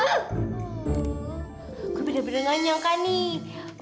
oh gue bener bener nganyang kak nih